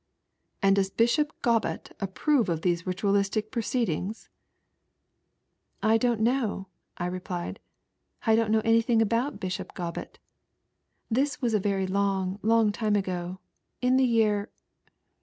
" And does Bishop Gobat approve of these ritualistic proceedings?" "I don't know," I replied. " I don't know any thing about Bishop Gobat, This was a very long long time ago. In the year.